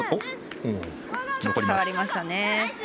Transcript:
ちょっと触りましたね。